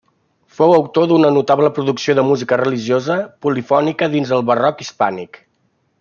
Fou autor d’una notable producció de música religiosa polifònica dins del Barroc hispànic.